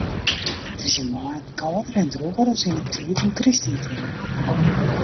It is yn maart kâlder en drûger as yn 'e tiid om Krysttiid hinne.